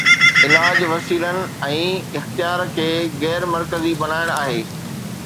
علاج وسيلن ۽ اختيار کي غير مرڪزي بڻائڻ آهي.